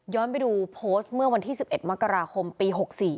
ไปดูโพสต์เมื่อวันที่๑๑มกราคมปี๖๔